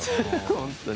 本当に。